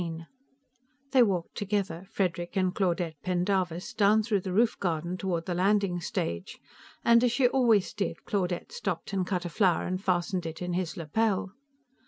XIV They walked together, Frederic and Claudette Pendarvis, down through the roof garden toward the landing stage, and, as she always did, Claudette stopped and cut a flower and fastened it in his lapel.